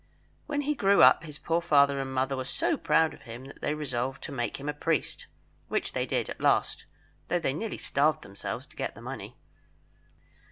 When he grew up his poor father and mother were so proud of him that they resolved to make him a priest, which they did at last, though they nearly starved themselves to get the money.